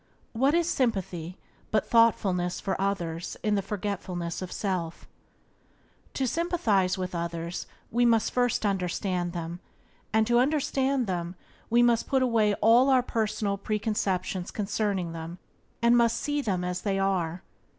What is sympathy but thoughtfulness for others in the forgetfulness of self? To sympathize with others we must first understand them, and to understand them we must put away all personal preconceptions concerning them, and must see them as they are.